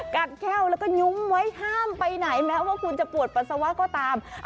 กัดแค้วแล้วก็ยุ้มไว้ห้ามไปไหนคุณจะปวดปัสสาวะก็ตาม